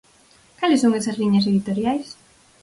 Cales son esas liñas editoriais?